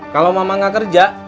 kalau mama gak kerja